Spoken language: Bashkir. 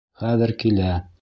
Хәҙер килә.